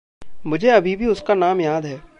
मुझे अभी भी उसका नाम याद है।